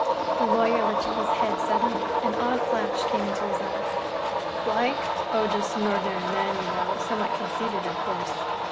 The lawyer lifted his head suddenly. An odd flash came to his eyes. "Like? Oh, just an ordinary man, you know,—somewhat conceited, of course."